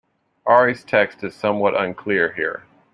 Ari's text is somewhat unclear here.